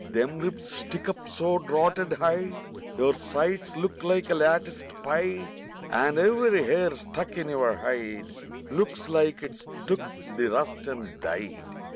Them ribs stick up so drotted high Your sides look like a latticed pie, And every hair stuck in your hide Looks like it's took the rust and died!